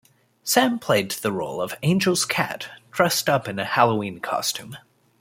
Sam played the role of Angel's cat, dressed up in a Halloween costume.